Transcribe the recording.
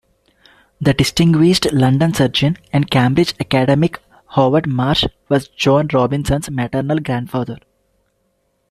The distinguished London surgeon and Cambridge academic Howard Marsh was Joan Robinson's maternal grandfather.